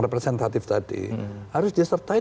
representatif tadi harus disertai